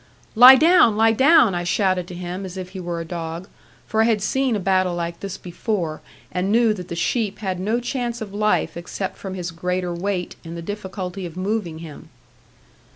'Lie down, lie down!' I shouted to him, as if he were a dog, for I had seen a battle like this before, and knew that the sheep had no chance of life except from his greater weight, and the difficulty of moving him.